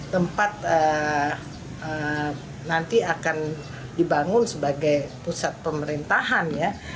tempat nanti akan dibangun sebagai pusat pemerintahan ya